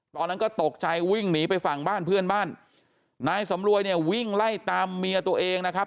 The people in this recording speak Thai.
ตอนนั้นก็ตกใจวิ่งหนีไปฝั่งบ้านเพื่อนบ้านนายสำรวยเนี่ยวิ่งไล่ตามเมียตัวเองนะครับ